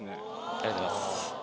ありがとうございます。